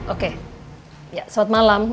oke ya selamat malam